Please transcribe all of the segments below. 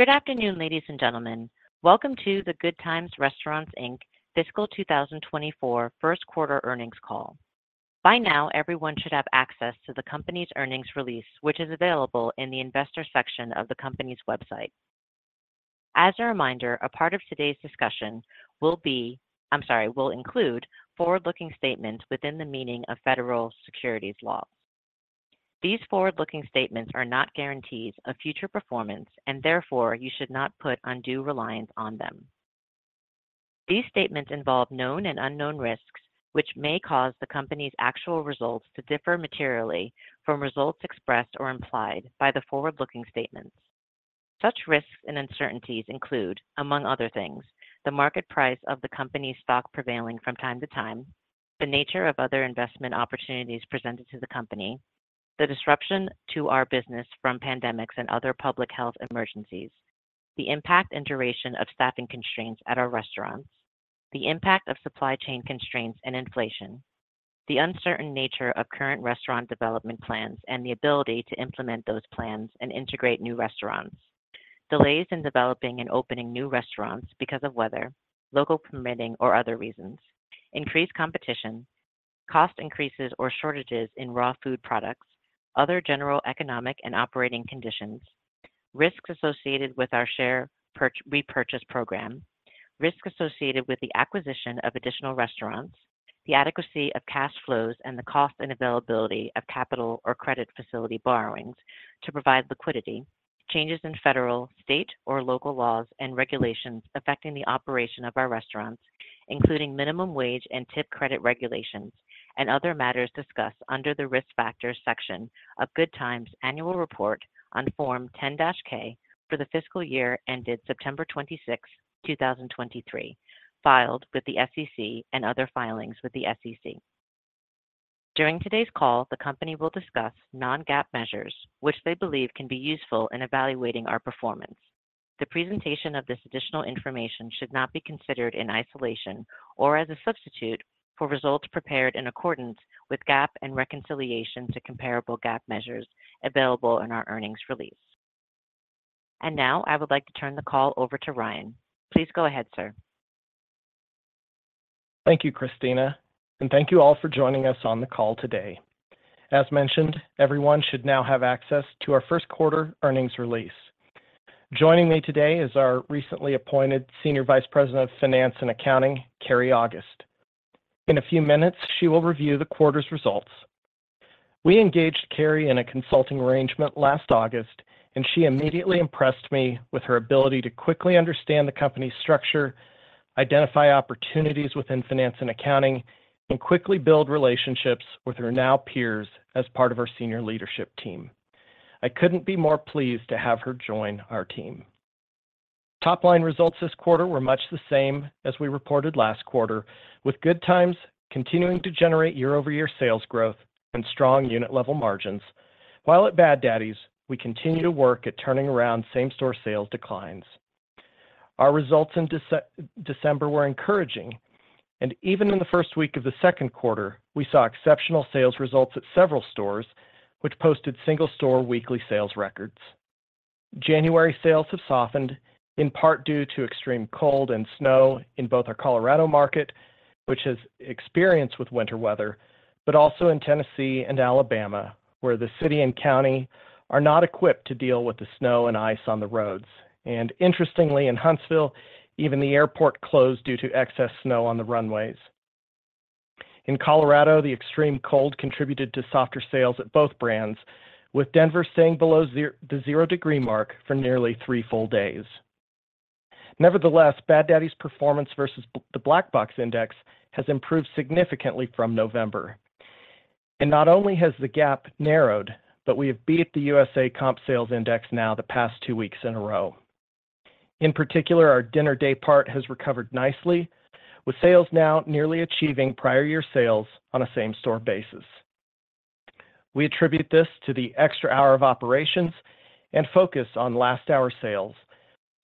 Good afternoon, ladies and gentlemen. Welcome to the Good Times Restaurants Inc. fiscal 2024 first quarter earnings call. By now, everyone should have access to the company's earnings release, which is available in the Investor Section of the company's website. As a reminder, a part of today's discussion will include forward-looking statements within the meaning of federal securities laws. These forward-looking statements are not guarantees of future performance, and therefore you should not put undue reliance on them. These statements involve known and unknown risks, which may cause the company's actual results to differ materially from results expressed or implied by the forward-looking statements. Such risks and uncertainties include, among other things, the market price of the company's stock prevailing from time to time, the nature of other investment opportunities presented to the company, the disruption to our business from pandemics and other public health emergencies, the impact and duration of staffing constraints at our restaurants, the impact of supply chain constraints and inflation, the uncertain nature of current restaurant development plans and the ability to implement those plans and integrate new restaurants, delays in developing and opening new restaurants because of weather, local permitting, or other reasons, increased competition, cost increases or shortages in raw food products, other general economic and operating conditions, risks associated with our share purch-- repurchase program, risks associated with the acquisition of additional restaurants, the adequacy of cash flows and the cost and availability of capital or credit facility borrowings to provide liquidity, changes in federal, state, or local laws and regulations affecting the operation of our restaurants, including minimum wage and tip credit regulations, and other matters discussed under the Risk Factors section of Good Times' Annual Report on Form 10-K for the fiscal year ended September 26, 2023, filed with the SEC and other filings with the SEC. During today's call, the company will discuss non-GAAP measures, which they believe can be useful in evaluating our performance. The presentation of this additional information should not be considered in isolation or as a substitute for results prepared in accordance with GAAP and reconciliation to comparable GAAP measures available in our earnings release. And now, I would like to turn the call over to Ryan. Please go ahead, sir. Thank you, Christina, and thank you all for joining us on the call today. As mentioned, everyone should now have access to our first quarter earnings release. Joining me today is our recently appointed Senior Vice President of Finance and Accounting, Keri August. In a few minutes, she will review the quarter's results. We engaged Keri in a consulting arrangement last August, and she immediately impressed me with her ability to quickly understand the company's structure, identify opportunities within finance and accounting, and quickly build relationships with her now peers as part of our senior leadership team. I couldn't be more pleased to have her join our team. Top-line results this quarter were much the same as we reported last quarter, with Good Times continuing to generate year-over-year sales growth and strong unit-level margins. While at Bad Daddy's, we continue to work at turning around same-store sales declines. Our results in December were encouraging, and even in the first week of the second quarter, we saw exceptional sales results at several stores, which posted single-store weekly sales records. January sales have softened, in part due to extreme cold and snow in both our Colorado market, which has experience with winter weather, but also in Tennessee and Alabama, where the city and county are not equipped to deal with the snow and ice on the roads. And interestingly, in Huntsville, even the airport closed due to excess snow on the runways. In Colorado, the extreme cold contributed to softer sales at both brands, with Denver staying below the zero-degree mark for nearly three full days. Nevertheless, Bad Daddy's performance versus the Black Box index has improved significantly from November, and not only has the gap narrowed, but we have beat the U.S.A comp sales index now the past two weeks in a row. In particular, our dinner day part has recovered nicely, with sales now nearly achieving prior year sales on a same-store basis. We attribute this to the extra hour of operations and focus on last-hour sales,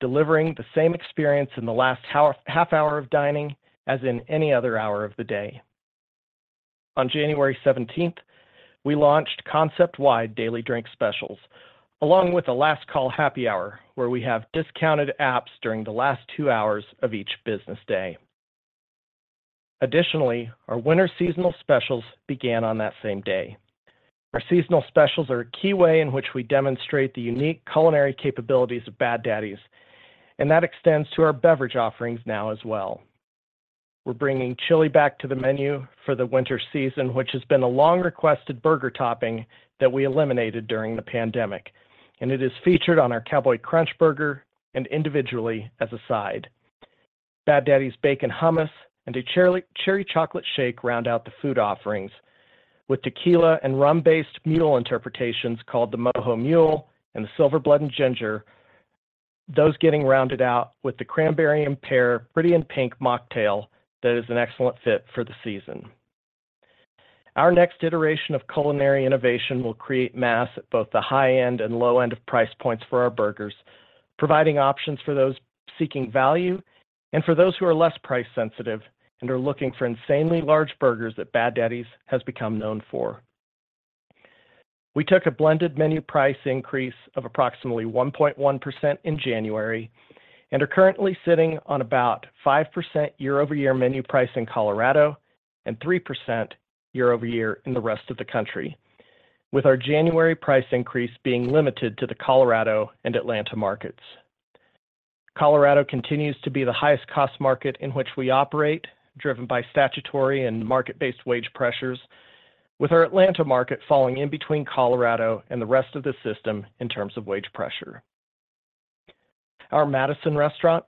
delivering the same experience in the last half hour of dining as in any other hour of the day. On January seventeenth, we launched concept-wide daily drink specials, along with a last-call happy hour, where we have discounted apps during the last two hours of each business day. Additionally, our winter seasonal specials began on that same day. Our seasonal specials are a key way in which we demonstrate the unique culinary capabilities of Bad Daddy's, and that extends to our beverage offerings now as well. We're bringing chili back to the menu for the winter season, which has been a long-requested burger topping that we eliminated during the pandemic, and it is featured on our Cowboy Crunch Burger and individually as a side. Bad Daddy's Bacon Hummus and a cherry, Cherry Chocolate Shake round out the food offerings, with tequila and rum-based mule interpretations, called the Mojo Mule and the Silver Blood and Ginger, those getting rounded out with the cranberry and pear Pretty in Pink mocktail that is an excellent fit for the season. Our next iteration of culinary innovation will create mass at both the high end and low end of price points for our burgers, providing options for those seeking value and for those who are less price sensitive and are looking for insanely large burgers that Bad Daddy's has become known for. We took a blended menu price increase of approximately 1.1% in January, and are currently sitting on about 5% year-over-year menu price in Colorado, and 3% year-over-year in the rest of the country, with our January price increase being limited to the Colorado and Atlanta markets. Colorado continues to be the highest cost market in which we operate, driven by statutory and market-based wage pressures, with our Atlanta market falling in between Colorado and the rest of the system in terms of wage pressure. Our Madison restaurant,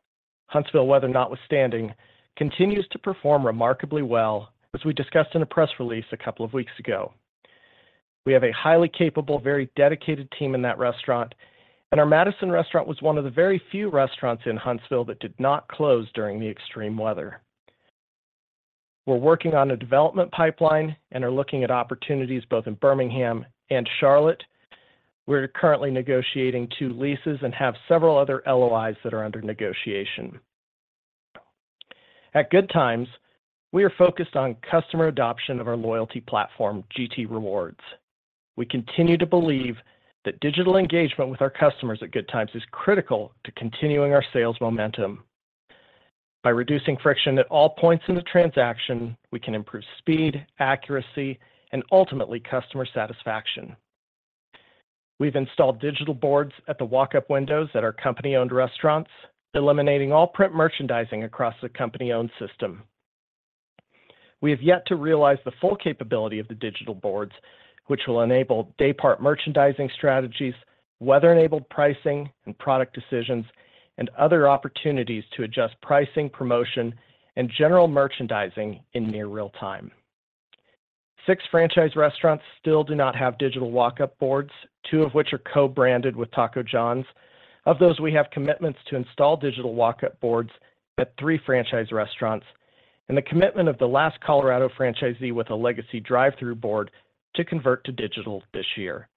Huntsville weather notwithstanding, continues to perform remarkably well, as we discussed in a press release a couple of weeks ago. We have a highly capable, very dedicated team in that restaurant, and our Madison restaurant was one of the very few restaurants in Huntsville that did not close during the extreme weather. We're working on a development pipeline and are looking at opportunities both in Birmingham and Charlotte. We're currently negotiating two leases and have several other LOIs that are under negotiation. At Good Times, we are focused on customer adoption of our loyalty platform, GT Rewards. We continue to believe that digital engagement with our customers at Good Times is critical to continuing our sales momentum. By reducing friction at all points in the transaction, we can improve speed, accuracy, and ultimately, customer satisfaction. We've installed digital boards at the walk-up windows at our company-owned restaurants, eliminating all print merchandising across the company-owned system. We have yet to realize the full capability of the digital boards, which will enable day part merchandising strategies, weather-enabled pricing and product decisions, and other opportunities to adjust pricing, promotion, and general merchandising in near real time. six franchise restaurants still do not have digital walk-up boards, two of which are co-branded with Taco John's. Of those, we have commitments to install digital walk-up boards at three franchise restaurants, and the commitment of the last Colorado franchisee with a legacy drive-through board to convert to digital this year.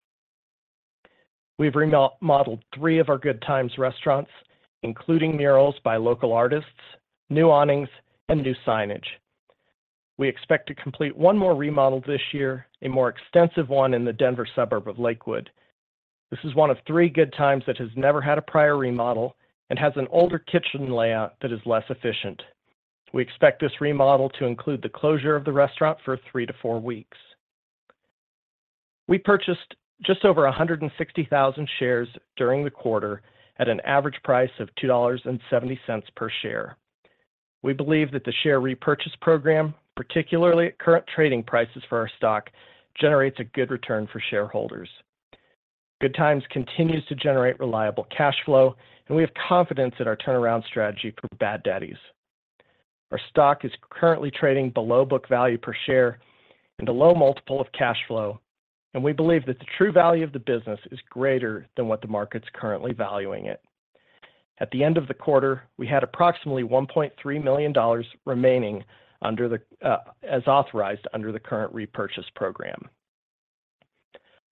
We've remodeled three of our Good Times restaurants, including murals by local artists, new awnings, and new signage. We expect to complete one more remodel this year, a more extensive one in the Denver suburb of Lakewood. This is one of three Good Times that has never had a prior remodel and has an older kitchen layout that is less efficient. We expect this remodel to include the closure of the restaurant for three to four weeks. We purchased just over 160,000 shares during the quarter at an average price of $2.70 per share. We believe that the share repurchase program, particularly at current trading prices for our stock, generates a good return for shareholders. Good Times continues to generate reliable cash flow, and we have confidence in our turnaround strategy for Bad Daddy's. Our stock is currently trading below book value per share and a low multiple of cash flow, and we believe that the true value of the business is greater than what the market's currently valuing it. At the end of the quarter, we had approximately $1.3 million remaining under the, as authorized under the current repurchase program.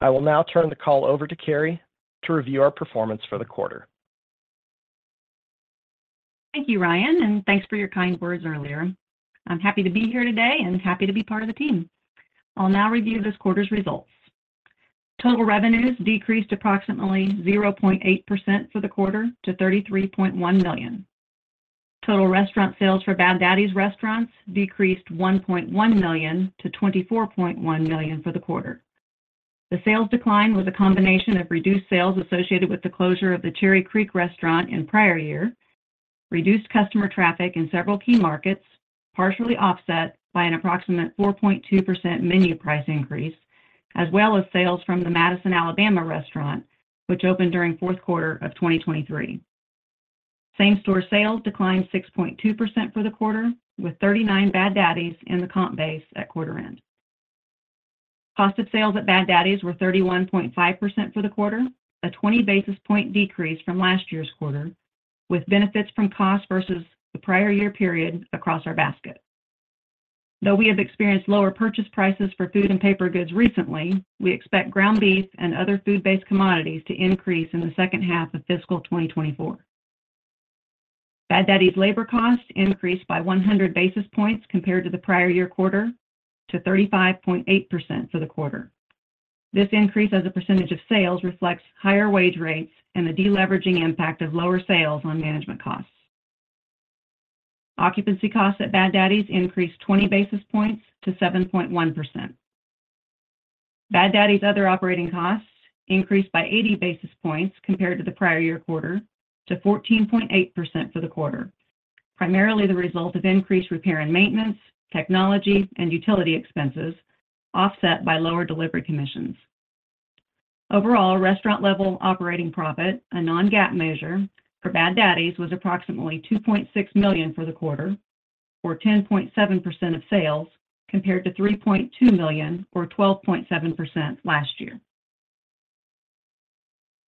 I will now turn the call over to Keri to review our performance for the quarter. Thank you, Ryan, and thanks for your kind words earlier. I'm happy to be here today and happy to be part of the team. I'll now review this quarter's results. Total revenues decreased approximately 0.8% for the quarter to $33.1 million. Total restaurant sales for Bad Daddy's restaurants decreased $1.1 million to $24.1 million for the quarter. The sales decline was a combination of reduced sales associated with the closure of the Cherry Creek restaurant in prior year, reduced customer traffic in several key markets, partially offset by an approximate 4.2% menu price increase, as well as sales from the Madison, Alabama restaurant, which opened during fourth quarter of 2023. Same-store sales declined 6.2% for the quarter, with 39 Bad Daddy's in the comp base at quarter end. Cost of sales at Bad Daddy's were 31.5% for the quarter, a 20 basis point decrease from last year's quarter, with benefits from cost versus the prior year period across our basket. Though we have experienced lower purchase prices for food and paper goods recently, we expect ground beef and other food-based commodities to increase in the second half of fiscal 2024. Bad Daddy's labor costs increased by 100 basis points compared to the prior year quarter, to 35.8% for the quarter. This increase as a percentage of sales, reflects higher wage rates and the deleveraging impact of lower sales on management costs. Occupancy costs at Bad Daddy's increased 20 basis points to 7.1%. Bad Daddy's other operating costs increased by 80 basis points compared to the prior year quarter, to 14.8% for the quarter. Primarily the result of increased repair and maintenance, technology, and utility expenses, offset by lower delivery commissions. Overall, restaurant-level operating profit, a non-GAAP measure for Bad Daddy's, was approximately $2.6 million for the quarter, or 10.7% of sales, compared to $3.2 million or 12.7% last year.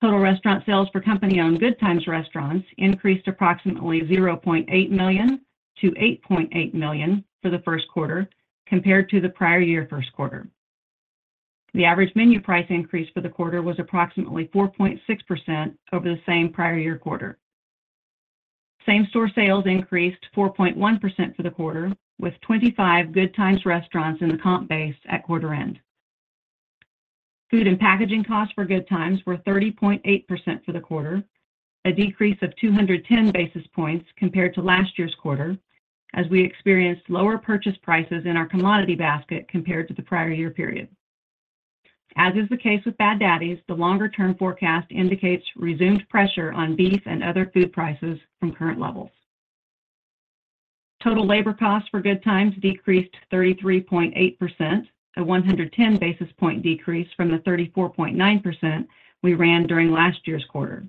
Total restaurant sales for company-owned Good Times restaurants increased approximately $0.8 million to $8.8 million for the first quarter compared to the prior year first quarter. The average menu price increase for the quarter was approximately 4.6% over the same prior year quarter. Same-store sales increased 4.1% for the quarter, with 25 Good Times restaurants in the comp base at quarter end. Food and packaging costs for Good Times were 30.8% for the quarter, a decrease of 210 basis points compared to last year's quarter, as we experienced lower purchase prices in our commodity basket compared to the prior year period. As is the case with Bad Daddy's, the longer-term forecast indicates resumed pressure on beef and other food prices from current levels. Total labor costs for Good Times decreased 33.8%, a 110 basis point decrease from the 34.9% we ran during last year's quarter,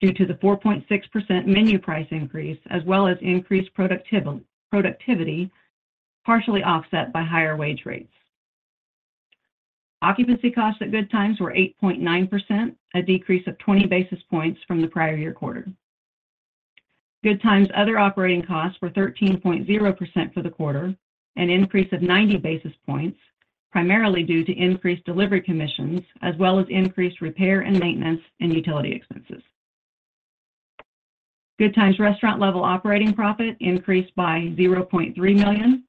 due to the 4.6% menu price increase, as well as increased productivity, partially offset by higher wage rates. Occupancy costs at Good Times were 8.9%, a decrease of 20 basis points from the prior year quarter. Good Times other operating costs were 13.0% for the quarter, an increase of 90 basis points, primarily due to increased delivery commissions, as well as increased repair and maintenance and utility expenses. Good Times restaurant-level operating profit increased by $0.3 million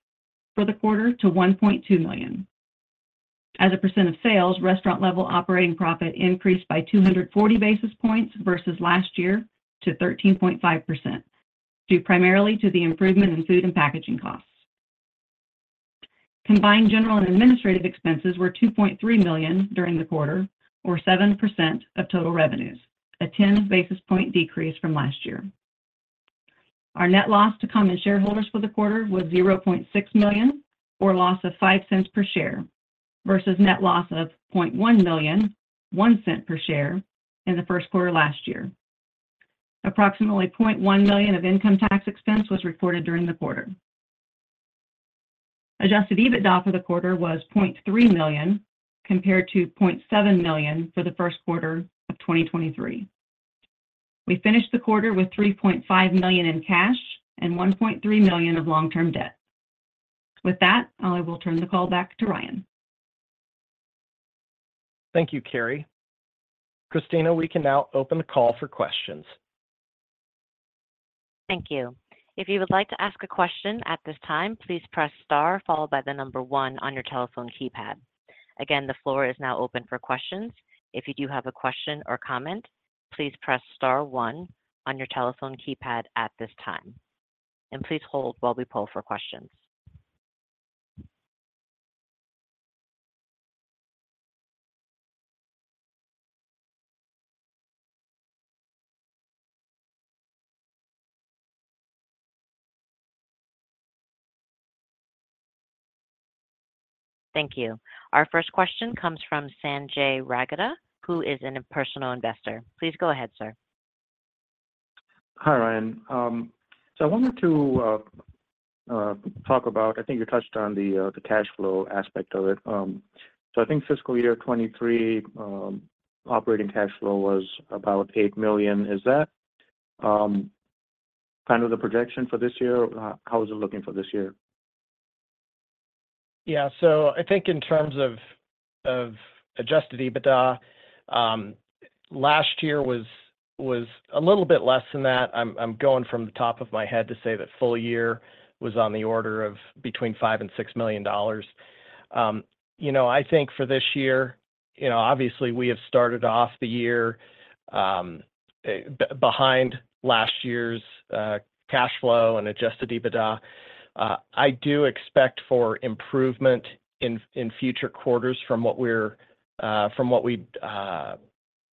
for the quarter to $1.2 million. As a percent of sales, restaurant-level operating profit increased by 240 basis points versus last year to 13.5%, due primarily to the improvement in food and packaging costs. Combined general and administrative expenses were $2.3 million during the quarter, or 7% of total revenues, a 10 basis point decrease from last year. Our net loss to common shareholders for the quarter was $0.6 million, or a loss of $0.05 per share, versus net loss of $0.1 million, $0.01 per share, in the first quarter last year. Approximately $0.1 million of income tax expense was recorded during the quarter. Adjusted EBITDA for the quarter was $0.3 million, compared to $0.7 million for the first quarter of 2023. We finished the quarter with $3.5 million in cash and $1.3 million of long-term debt. With that, I will turn the call back to Ryan. Thank you, Keri. Christina, we can now open the call for questions. Thank you. If you would like to ask a question at this time, please press star followed by the number one on your telephone keypad. Again, the floor is now open for questions. If you do have a question or comment, please press star one on your telephone keypad at this time, and please hold while we poll for questions. Thank you. Our first question comes from Sanjay Ragada, who is a personal investor. Please go ahead, sir. Hi, Ryan. So I wanted to talk about. I think you touched on the cash flow aspect of it. So I think fiscal year 2023 operating cash flow was about $8 million. Is that kind of the projection for this year? Or how is it looking for this year? Yeah. So I think in terms of, of Adjusted EBITDA, last year was, was a little bit less than that. I'm, I'm going from the top of my head to say that full year was on the order of between $5 million and $6 million. You know, I think for this year, you know, obviously, we have started off the year, behind last year's, cash flow and Adjusted EBITDA. I do expect for improvement in, in future quarters from what we're, from what we,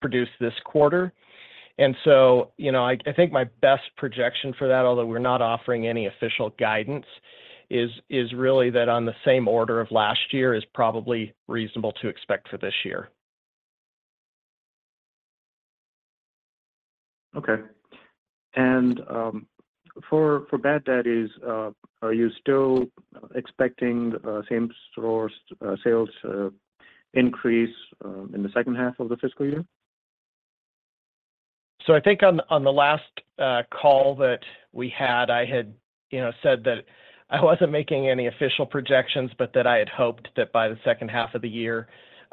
produced this quarter. And so, you know, I, I think my best projection for that, although we're not offering any official guidance, is, is really that on the same order of last year is probably reasonable to expect for this year. Okay. And for Bad Daddy's, are you still expecting the same-store sales increase in the second half of the fiscal year? So I think on the last call that we had, I had, you know, said that I wasn't making any official projections, but that I had hoped that by the second half of the year,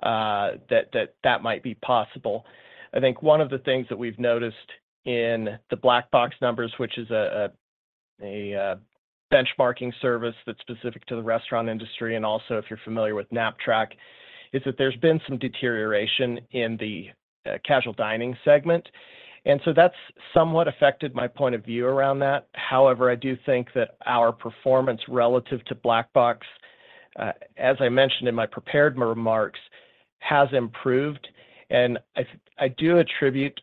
that might be possible. I think one of the things that we've noticed in the Black Box numbers, which is a benchmarking service that's specific to the restaurant industry, and also if you're familiar with Knapp-Track, is that there's been some deterioration in the casual dining segment, and so that's somewhat affected my point of view around that. However, I do think that our performance relative to Black Box, as I mentioned in my prepared remarks, has improved. And I do attribute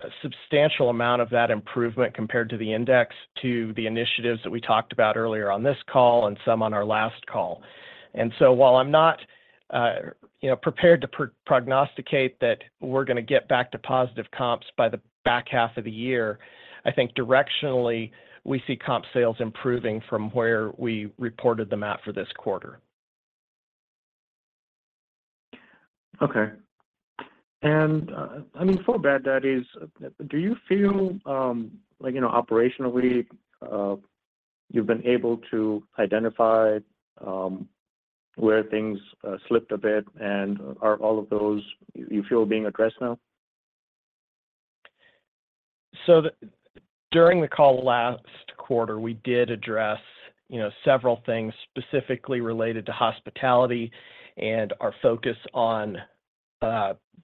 a substantial amount of that improvement compared to the index, to the initiatives that we talked about earlier on this call and some on our last call. And so while I'm not, you know, prepared to prognosticate that we're gonna get back to positive comps by the back half of the year, I think directionally, we see comp sales improving from where we reported them at for this quarter. Okay. I mean, for Bad Daddy's, do you feel like, you know, operationally, you've been able to identify somewhere things slipped a bit, and are all of those, you feel, being addressed now? So during the call last quarter, we did address, you know, several things specifically related to hospitality and our focus on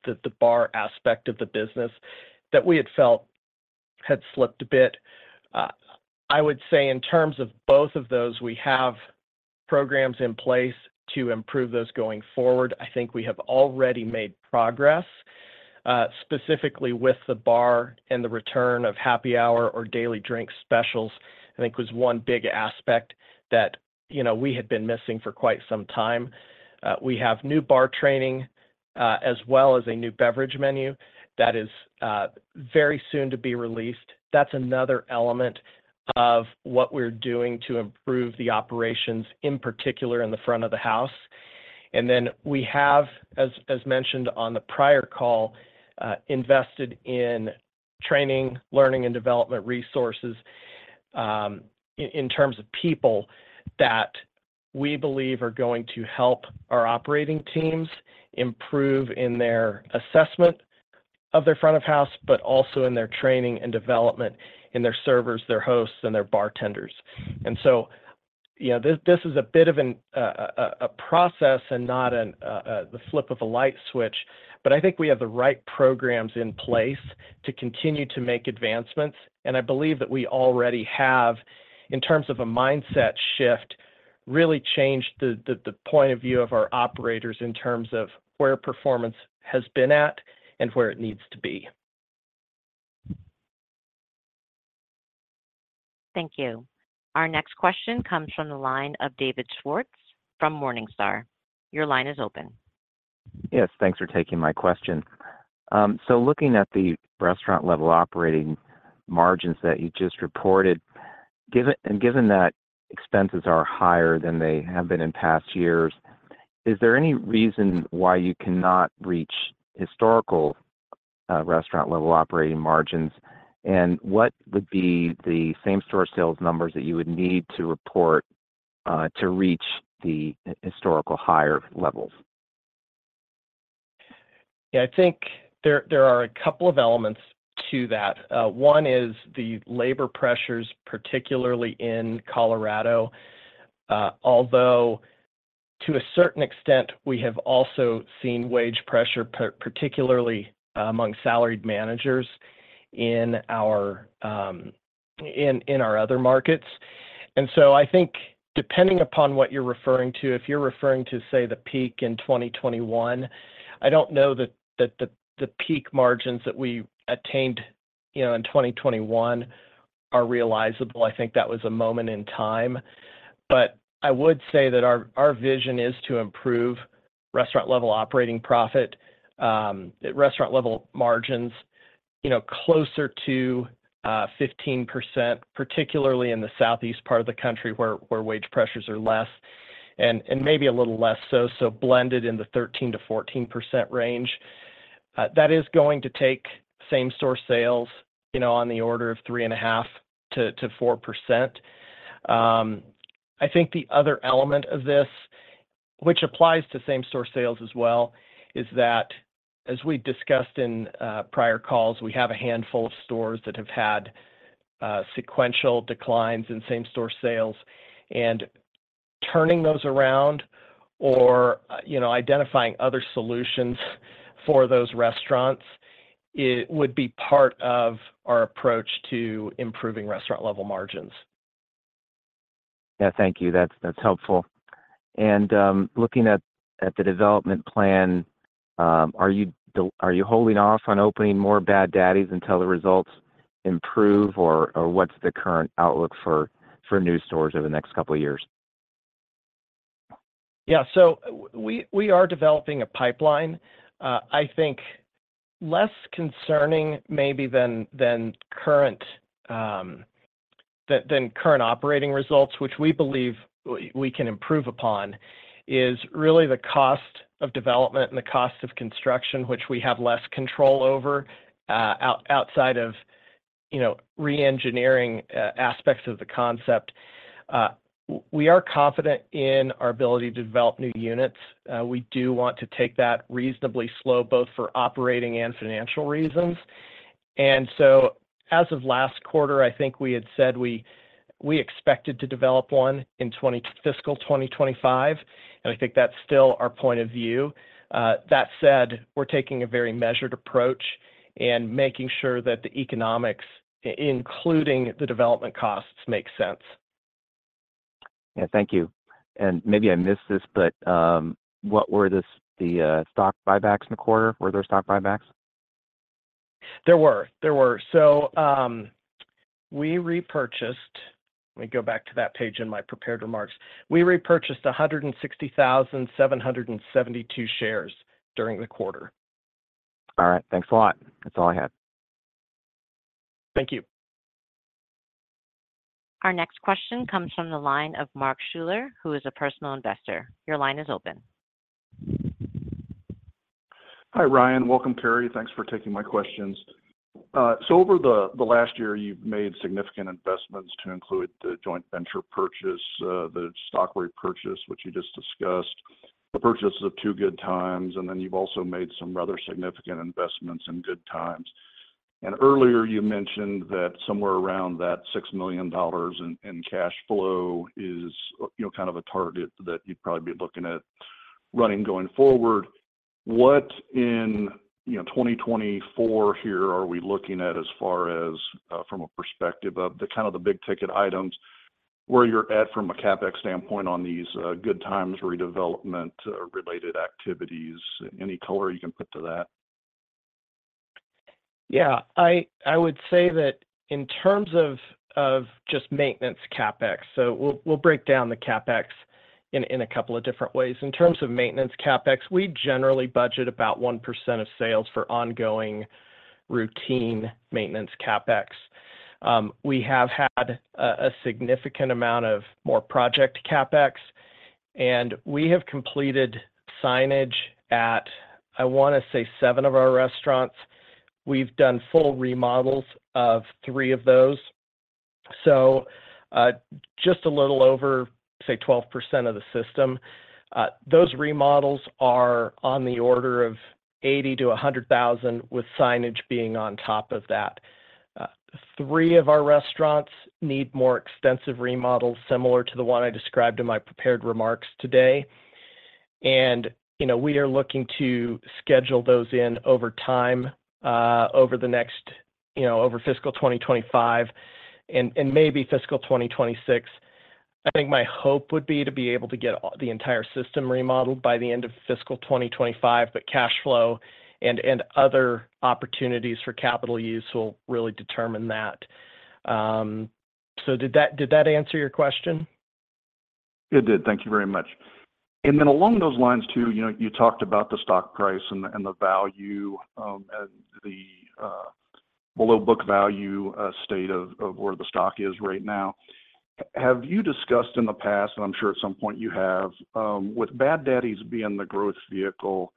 the bar aspect of the business that we had felt had slipped a bit. I would say in terms of both of those, we have programs in place to improve those going forward. I think we have already made progress, specifically with the bar and the return of happy hour or daily drink specials, I think was one big aspect that, you know, we had been missing for quite some time. We have new bar training, as well as a new beverage menu that is very soon to be released. That's another element of what we're doing to improve the operations, in particular in the front of the house. Then we have, as mentioned on the prior call, invested in training, learning, and development resources, in terms of people, that we believe are going to help our operating teams improve in their assessment of their front of house, but also in their training and development in their servers, their hosts, and their bartenders. So, yeah, this is a bit of a process and not the flip of a light switch, but I think we have the right programs in place to continue to make advancements. And I believe that we already have, in terms of a mindset shift, really changed the point of view of our operators in terms of where performance has been at and where it needs to be. Thank you. Our next question comes from the line of David Swartz from Morningstar. Your line is open. Yes, thanks for taking my question. So looking at the restaurant-level operating margins that you just reported, given and given that expenses are higher than they have been in past years, is there any reason why you cannot reach historical restaurant-level operating margins? And what would be the same-store sales numbers that you would need to report to reach the historical higher levels? Yeah, I think there are a couple of elements to that. One is the labor pressures, particularly in Colorado. Although, to a certain extent, we have also seen wage pressure, particularly among salaried managers in our other markets. And so I think depending upon what you're referring to, if you're referring to, say, the peak in 2021, I don't know that the peak margins that we attained, you know, in 2021 are realizable. I think that was a moment in time. But I would say that our vision is to improve Restaurant-Level Operating Profit at Restaurant-Level Margins, you know, closer to 15%, particularly in the Southeast part of the country, where wage pressures are less and maybe a little less so, so blended in the 13%-14% range. That is going to take same-store sales, you know, on the order of 3.5%-4%. I think the other element of this, which applies to same-store sales as well, is that, as we discussed in prior calls, we have a handful of stores that have had sequential declines in same-store sales. And turning those around or, you know, identifying other solutions for those restaurants, it would be part of our approach to improving restaurant-level margins. Yeah. Thank you. That's, that's helpful. And, looking at, at the development plan, are you holding off on opening more Bad Daddy's until the results improve? Or, what's the current outlook for, for new stores over the next couple of years? Yeah. So we are developing a pipeline. I think less concerning maybe than current operating results, which we believe we can improve upon, is really the cost of development and the cost of construction, which we have less control over, outside of, you know, reengineering aspects of the concept. We are confident in our ability to develop new units. We do want to take that reasonably slow, both for operating and financial reasons. And so as of last quarter, I think we had said we expected to develop one in fiscal 2025, and I think that's still our point of view. That said, we're taking a very measured approach and making sure that the economics, including the development costs, make sense. Yeah. Thank you. Maybe I missed this, but what were the stock buybacks in the quarter? Were there stock buybacks? There were. So, we repurchased... Let me go back to that page in my prepared remarks. We repurchased 160,772 shares during the quarter. All right. Thanks a lot. That's all I had. Thank you. Our next question comes from the line of Mark Schuler, who is a personal investor. Your line is open.... Hi, Ryan. Welcome, Mark Schuler. Thanks for taking my questions. So over the last year, you've made significant investments to include the joint venture purchase, the stock repurchase, which you just discussed, the purchases of two Good Times, and then you've also made some rather significant investments in Good Times. And earlier you mentioned that somewhere around that $6 million in cash flow is, you know, kind of a target that you'd probably be looking at running going forward. What in, you know, 2024 here are we looking at as far as from a perspective of the kind of big ticket items, where you're at from a CapEx standpoint on these Good Times redevelopment related activities? Any color you can put to that? Yeah. I, I would say that in terms of, of just maintenance CapEx, so we'll, we'll break down the CapEx in, in a couple of different ways. In terms of maintenance CapEx, we generally budget about 1% of sales for ongoing routine maintenance CapEx. We have had a, a significant amount of more project CapEx, and we have completed signage at, I want to say, seven of our restaurants. We've done full remodels of three of those. So, just a little over, say, 12% of the system. Those remodels are on the order of $80,000-$100,000, with signage being on top of that. 3 of our restaurants need more extensive remodels, similar to the one I described in my prepared remarks today. You know, we are looking to schedule those in over time over the next, you know, over fiscal 2025 and maybe fiscal 2026. I think my hope would be to be able to get the entire system remodeled by the end of fiscal 2025, but cash flow and other opportunities for capital use will really determine that. So did that, did that answer your question? It did. Thank you very much. And then along those lines too, you know, you talked about the stock price and the below book value state of where the stock is right now. Have you discussed in the past, and I'm sure at some point you have, with Bad Daddy's being the growth vehicle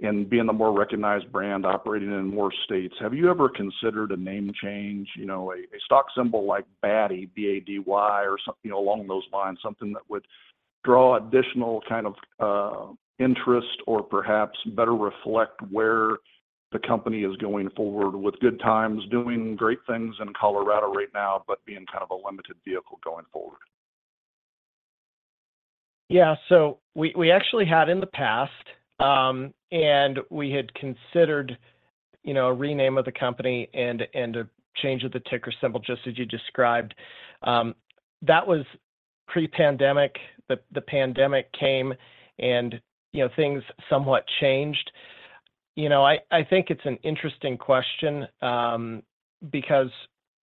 and being the more recognized brand operating in more states, have you ever considered a name change? You know, a stock symbol like BADDY, B-A-D-D-Y, or something along those lines, something that would draw additional kind of interest or perhaps better reflect where the company is going forward with Good Times doing great things in Colorado right now, but being kind of a limited vehicle going forward? Yeah. So we actually had in the past, and we had considered, you know, a rename of the company and a change of the ticker symbol, just as you described. That was pre-pandemic. The pandemic came and, you know, things somewhat changed. You know, I think it's an interesting question, because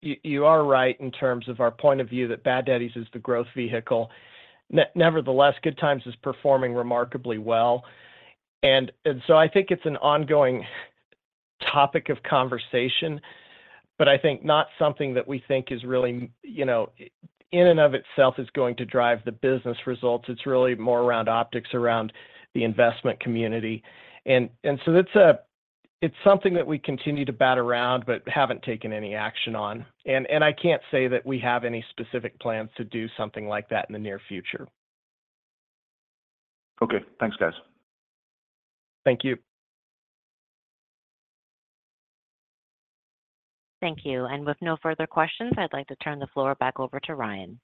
you are right in terms of our point of view that Bad Daddy's is the growth vehicle. Nevertheless, Good Times is performing remarkably well, and so I think it's an ongoing topic of conversation, but I think not something that we think is really, you know, in and of itself is going to drive the business results. It's really more around optics, around the investment community. And so it's something that we continue to bat around but haven't taken any action on. And I can't say that we have any specific plans to do something like that in the near future. Okay. Thanks, guys. Thank you. Thank you. With no further questions, I'd like to turn the floor back over to Ryan.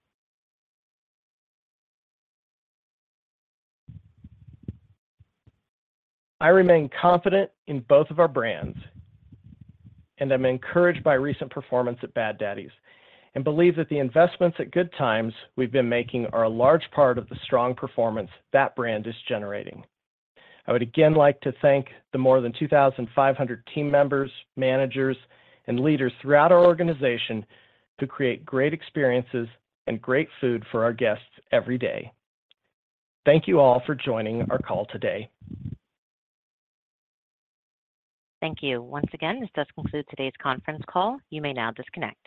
I remain confident in both of our brands, and I'm encouraged by recent performance at Bad Daddy's and believe that the investments at Good Times we've been making are a large part of the strong performance that brand is generating. I would again like to thank the more than 2,500 team members, managers, and leaders throughout our organization who create great experiences and great food for our guests every day. Thank you all for joining our call today. Thank you. Once again, this does conclude today's conference call. You may now disconnect.